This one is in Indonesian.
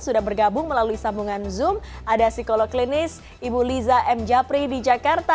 sudah bergabung melalui sambungan zoom ada psikolog klinis ibu liza m japri di jakarta